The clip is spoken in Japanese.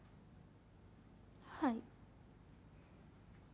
はい。